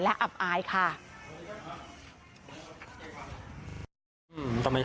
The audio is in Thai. แล้วทำท่าเหมือนลบรถหนีไปเลย